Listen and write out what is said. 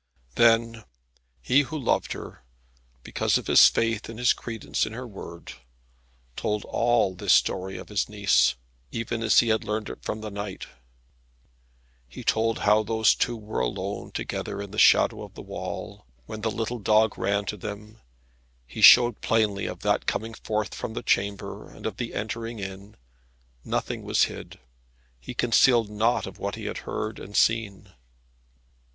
Then he who loved her, because of his faith and his credence in her word, told all this story of his niece, even as he had learned it from the knight. He told how those two were alone together in the shadow of the wall, when the little dog ran to them. He showed plainly of that coming forth from the chamber, and of the entering in; nothing was hid, he concealed naught of that he had heard and seen.